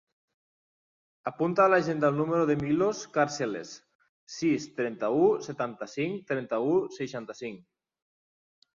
Apunta a l'agenda el número del Milos Carceles: sis, trenta-u, setanta-cinc, trenta-u, seixanta-cinc.